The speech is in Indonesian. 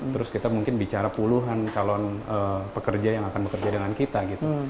terus kita mungkin bicara puluhan calon pekerja yang akan bekerja dengan kita gitu